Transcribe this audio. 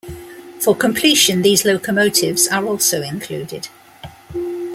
For completion these locomotives are also included.